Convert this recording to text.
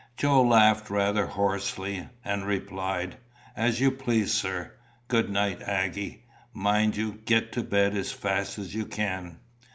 Joe laughed rather hoarsely, and replied: "As you please, sir. Good night, Aggie. Mind you get to bed as fast as you can."